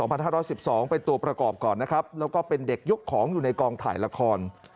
เป็นตัวประกอบก่อนนะครับแล้วก็เป็นเด็กยกของอยู่ในกองถ่ายละคร